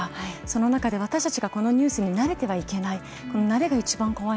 その中で私たちがこのニュースに慣れてはいけない。